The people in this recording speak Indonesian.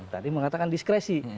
tadi mengatakan diskresi